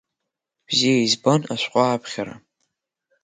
Бзиа избон ашәҟәы аԥхьара…